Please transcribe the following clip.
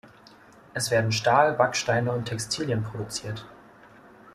Es werden Stahl, Backsteine und Textilien produziert.